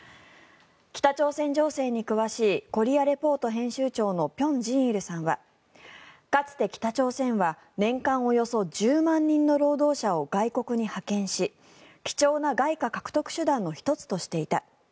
北朝鮮情勢に詳しい「コリア・レポート」編集長の辺真一さんはかつて、北朝鮮は年間およそ１０万人の労働者を外国に派遣し貴重な外貨獲得手段の１つとしていた。